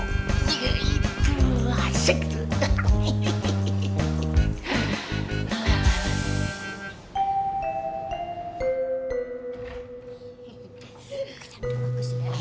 ya itu lah